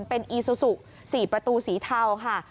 เป็นอีซูซู๔ประตูสีเทาค่ะ